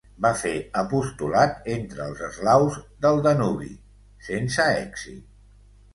Va fer apostolat entre els eslaus del Danubi, sense èxit.